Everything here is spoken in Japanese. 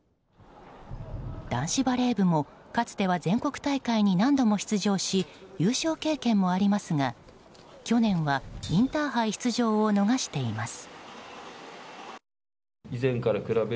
男子バレー部もかつては全国大会に何度も出場し優勝経験もありますが去年はインターハイ出場を逃しています。